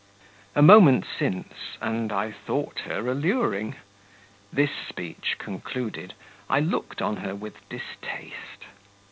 A moment since, and I thought her alluring; this speech concluded, I looked on her with distaste.